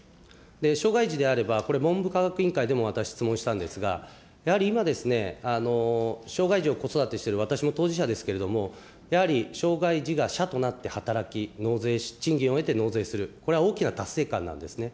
障害児であれば、これ文部科学委員会でも私、質問したんですが、やはり今、障害児を子育てしている私も当事者ですけれども、やはり障害児がしゃとなって働き、納税、賃金を得て納税する、これは大きな達成感なんですね。